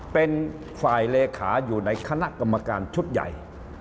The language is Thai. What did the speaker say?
เป็นฝ่ายเลขาอยู่ในคณะกรรมการชุดใหญ่